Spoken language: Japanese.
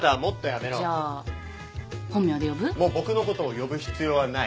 もう僕のことを呼ぶ必要はない。